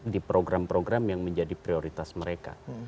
di program program yang menjadi prioritas mereka